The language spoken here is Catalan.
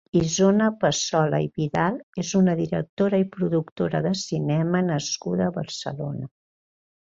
Isona Passola i Vidal és una directora i productora de cinema nascuda a Barcelona.